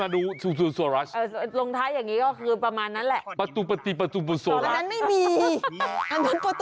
รู้แต่สอรัสสอรัสขึ้นหลังรึเปล่า